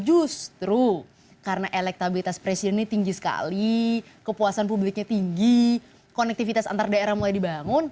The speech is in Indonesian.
justru karena elektabilitas presidennya tinggi sekali kepuasan publiknya tinggi konektivitas antar daerah mulai dibangun